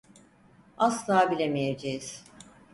Asla bilemeyeceğiz.